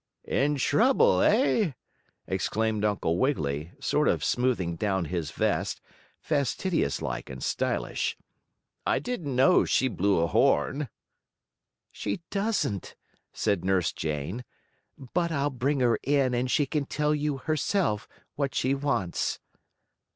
"In trouble, eh?" exclaimed Uncle Wiggily, sort of smoothing down his vest, fastidious like and stylish. "I didn't know she blew a horn." "She doesn't," said Nurse Jane. "But I'll bring her in and she can tell you, herself, what she wants."